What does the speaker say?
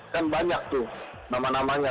kan banyak tuh nama namanya